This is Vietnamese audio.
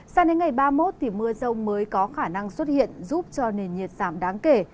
sang đến ngày ba mươi một thì mưa rông mới có khả năng xuất hiện giúp cho nền nhiệt giảm đáng kể